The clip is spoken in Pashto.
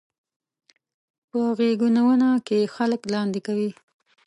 په غېږنيونه کې خلک لاندې کوي.